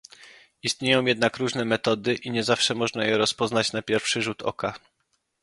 Istnieją jednak różne metody i nie zawsze można je rozpoznać na pierwszy rzut oka